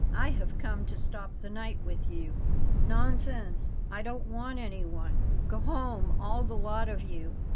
"I have come to stop the night with you." "Nonsense! I don't want anyone. Go home, all the lot of you.